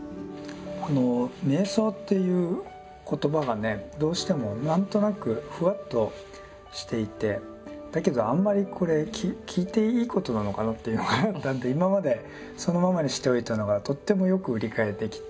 この瞑想っていう言葉がねどうしても何となくふわっとしていてだけどあんまりこれ聞いていいことなのかなっていうのがあったので今までそのままにしておいたのがとってもよく理解できて。